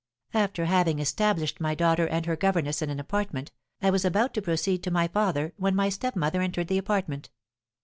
"After having established my daughter and her governess in an apartment, I was about to proceed to my father, when my stepmother entered the apartment.